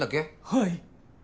はい。